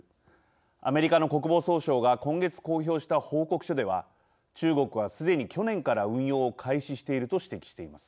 アメリカの国防総省が今月公表した報告書では中国は、すでに去年から運用を開始していると指摘しています。